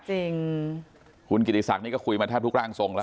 จริงคุณกิติศักดิ์นี่ก็คุยมาแทบทุกร่างทรงแล้ว